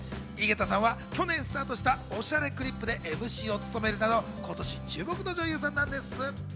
井桁さんは去年、スタートした『おしゃれクリップ』でＭＣを務めるなど、今年注目の女優さんなんです。